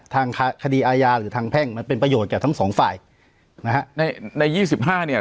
ทางคดีอาญาหรือทางแพ่งมันเป็นประโยชน์แก่ทั้งสองฝ่ายนะฮะในในยี่สิบห้าเนี่ย